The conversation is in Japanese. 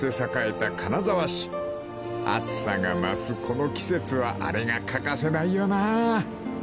［暑さが増すこの季節はあれが欠かせないよなあ］